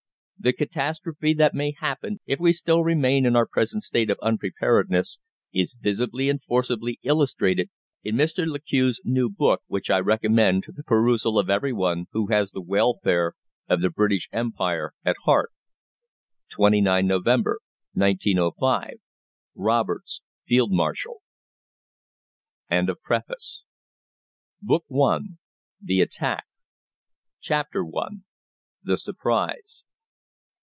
The catastrophe that may happen if we still remain in our present state of unpreparedness is visibly and forcibly illustrated in Mr. Le Queux's new book which I recommend to the perusal of every one who has the welfare of the British Empire at heart. 29. Nov. 1905 Roberts, FM THE INVASION. BOOK I. THE ATTACK. CHAPTER I. THE SURPRISE.